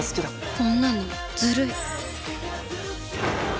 こんなのずるい。